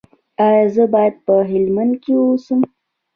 ایا زه باید په هلمند کې اوسم؟